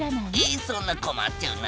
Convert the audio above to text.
えそんなこまっちゃうな。